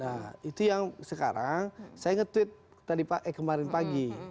nah itu yang sekarang saya nge tweet kemarin pagi